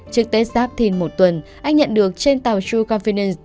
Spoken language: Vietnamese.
trước tết giáp thìn một tuần anh nhận được trên tàu true confidence